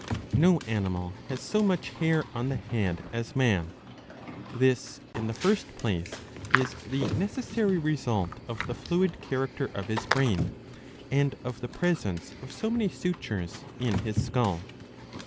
'^ No animal has so much hair on the head as man. This in the first place is the necessary result of the fluid character of his brain, and of the presence of so many sutures in his skull.